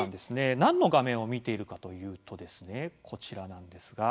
何の画面を見ているのかというと、こちら。